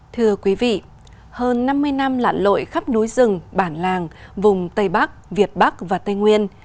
thưa quý vị hơn năm mươi năm lạn lội khắp núi rừng bản làng vùng tây bắc việt bắc và tây nguyên